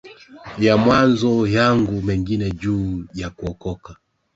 ya mawazo yangu mengine juu ya kuokoa